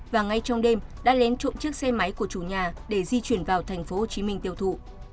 và ngay trong đêm đã lén trộm chiếc xe máy của chủ nhà để di chuyển vào tp hcm tiêu thụ